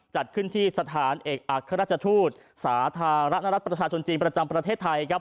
จัดขึ้นที่สถานเอกอัครราชทูตสาธารณรัฐประชาชนจีนประจำประเทศไทยครับ